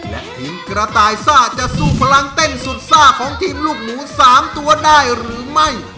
และทีมกระต่ายซ่าจะสู้พลังเต้นสุดซ่าของทีมลูกหมู๓ตัวได้หรือไม่